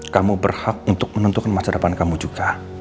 kamu berhak untuk menentukan masa depan kamu juga